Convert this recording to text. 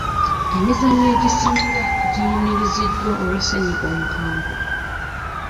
Emizannyo egisinga giyimiriziddwa olwa ssenyiga omukambwe.